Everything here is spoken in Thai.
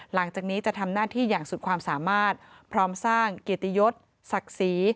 หลังจากนี้จะทำหน้าที่อย่างสุดความสามารถพร้อมสร้างเกียรติยศศักดิ์ศรี